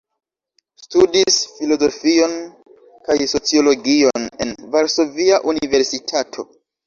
Studis filozofion kaj sociologion en Varsovia Universitato.